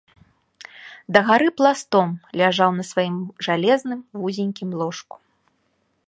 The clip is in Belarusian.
Дагары пластом ляжаў на сваім жалезным вузенькім ложку.